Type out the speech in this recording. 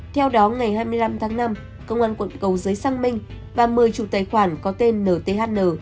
theo đó ngày hai mươi năm tháng năm công an quận cầu giấy sang minh và mời chủ tài khoản có tên nhn